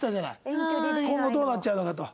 今後どうなっちゃうのかと。